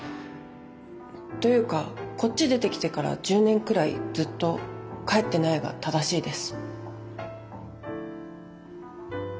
というかこっち出てきてから１０年くらいずっと帰ってないが正しいです。